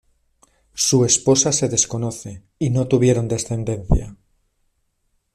Su esposa se desconoce y no tuvieron descendencia.